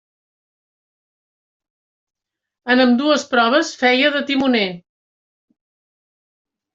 En ambdues proves feia de timoner.